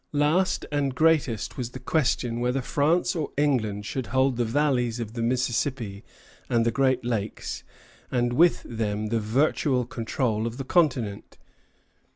Last and greatest was the question whether France or England should hold the valleys of the Mississippi and the Great Lakes, and with them the virtual control of the continent.